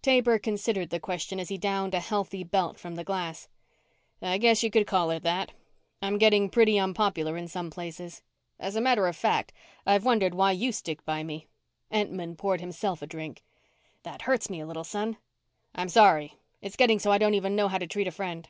Taber considered the question as he downed a healthy belt from the glass. "I guess you could call it that. I'm getting pretty unpopular in some places. As a matter of fact, I've wondered why you stick by me." Entman poured himself a drink. "That hurts me a little, son." "I'm sorry. It's getting so I don't even know how to treat a friend."